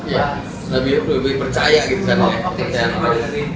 ya lebih percaya gitu kan ya